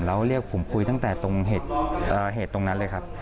แล้วเรียกผมคุยตั้งแต่ตรงเหตุตรงนั้นเลยครับ